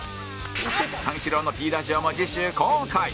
三四郎の Ｐ ラジオも次週公開